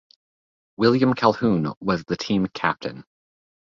William Calhoun was the team captain.